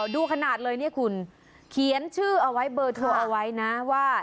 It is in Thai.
ดูขนาดเลยเนี่ยคุณเขียนชื่อเอาไว้เบอร์โทรเอาไว้นะว่า